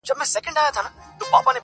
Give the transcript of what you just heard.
ما د سمسوره باغه واخیسته لاسونه!!